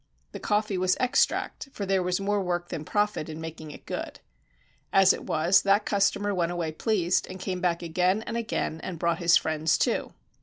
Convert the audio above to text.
The coffee was extract, for there was more work than profit in making it good. As it was, that customer went away pleased, and came back again and again, and brought his friends too.